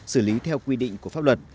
xử lý theo quy định của pháp luật